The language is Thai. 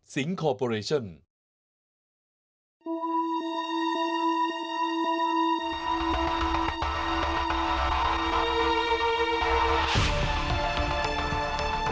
สิงค์คอร์ปอเรชชั่น